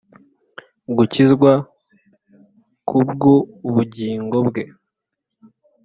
gukizwa ku bw ubugingo bwe